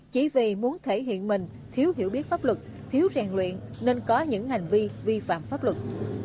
chỉ vì muốn thể hiện mình thiếu hiểu biết pháp luật thiếu rèn luyện nên có những hành vi vi phạm pháp luật